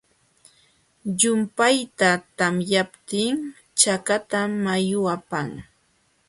Llumpayta tamyaptin chakatam mayu apan.